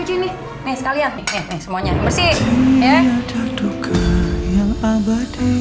ini nih sekalian nih nih semuanya bersih ya